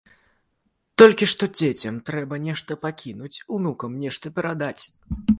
Толькі што дзецям трэба нешта пакінуць, унукам нешта перадаць!